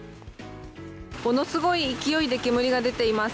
ものすごい勢いで煙が出ています。